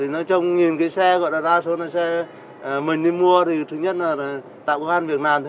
nói chung nhìn cái xe gọi là đa số là xe mình đi mua thì thứ nhất là tại quán việt nam thôi